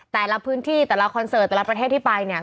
แต่ละพื้นที่แต่ละคอนเสิร์ตแต่ละประเทศที่ไปเนี่ย